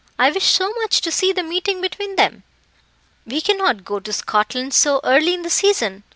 I wish so much to see the meeting between them." "We cannot go to Scotland so early in the season.